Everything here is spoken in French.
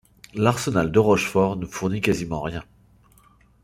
L'arsenal de Rochefort ne fournit quasiment rien.